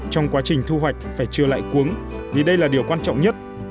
trong quá trình thu hoạch phải trừ lại cuống vì đây là điều quan trọng nhất